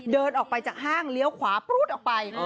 เดินออกไปจากห้างเลี้ยวขวาปรู๊ดออกไป